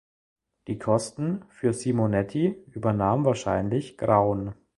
Die Kosten für Simonetti übernahm wahrscheinlich Graun.